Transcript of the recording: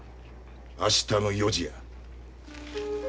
明日の４時や。